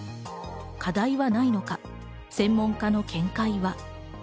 課題はないのか、専門家の見解は。